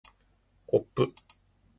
こっぷ